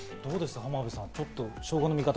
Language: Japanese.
浜辺さん。